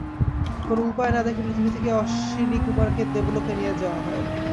কোনো উপায় না দেখে পৃথিবী থেকে অশ্বিনীকুমারকে দেবলোকে নিয়ে যাওয়া হয়।